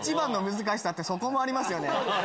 難しさってそこもありますよね。